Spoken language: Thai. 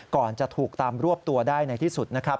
ก่อนจะถูกตามรวบตัวได้ในที่สุดนะครับ